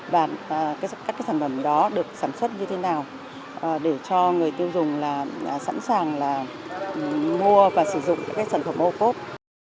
và các sản phẩm đó được sản xuất như thế nào để cho người tiêu dùng sẵn sàng mua và sử dụng các sản phẩm ô cốp